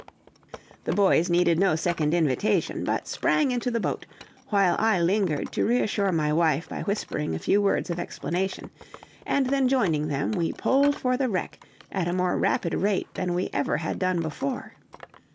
The boys needed no second invitation, but sprang into the boat, while I lingered to reassure my wife by whispering a few words of explanation, and then joining them, we pulled for the wreck at a more rapid rate than we ever had done before.